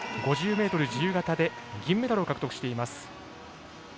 ５０ｍ自由形で銀メダルを獲得しています。